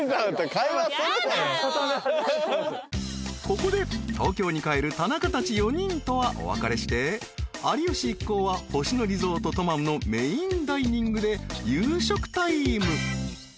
［ここで東京に帰る田中たち４人とはお別れして有吉一行は星野リゾートトマムのメインダイニングで夕食タイム］